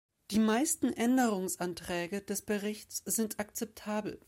Die meisten Änderungsanträge des Berichts sind akzeptabel.